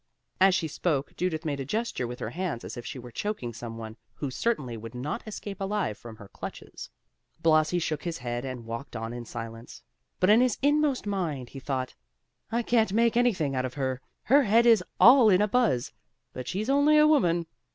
As she spoke, Judith made a gesture with her hands as if she were choking some one, who certainly would not escape alive from her clutches. Blasi shook his head and walked on in silence. But in his inmost mind he thought, "I can't make anything out of her; her head is all in a buzz. But she's only a woman."